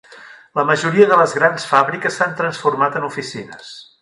La majoria de les grans fàbriques s'han transformat en oficines.